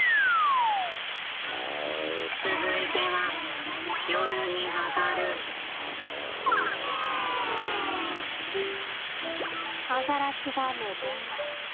続いてはアザラシが寝ています。